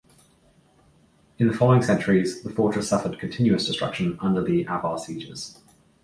In the following centuries the fortress suffered continuous destruction under the Avar sieges.